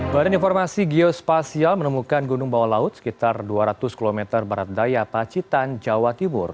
badan informasi geospasial menemukan gunung bawah laut sekitar dua ratus km barat daya pacitan jawa timur